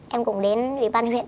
em cũng đến với ban huyện